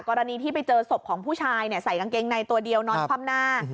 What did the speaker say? กรณีที่ไปเจอศพของผู้ชายใส่กางเกงในตัวเดียวนอนคว่ำหน้า